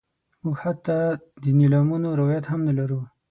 موږ حتی د نیلامونو روایت هم نه لرو.